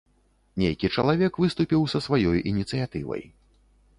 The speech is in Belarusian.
Нейкі чалавек выступіў са сваёй ініцыятывай.